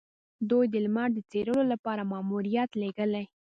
دوی د لمر د څیړلو لپاره ماموریت لیږلی.